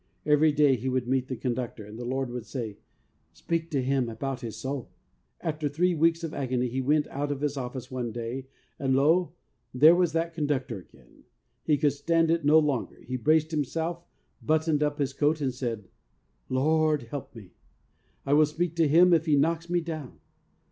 Every day he would meet the con ductor, and the Lord would say, ' Speak to him about his soul.' After three weeks of agony he went out of his office one day, and lo ! there was that conductor again. He could stand it no longer, he braced himself, buttoned up his coat, and said, ' Lord, help me ! I will speak to him if he knocks me down.